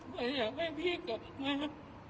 ไม่อยากให้พี่กลับมา